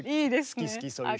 好き好きそういう人。